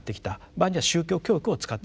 場合には宗教教育を使ってきた。